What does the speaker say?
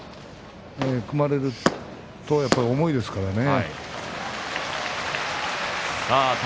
組まれると、やっぱり重いですからね。